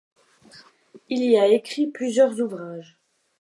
Il y a écrit plusieurs ouvrages.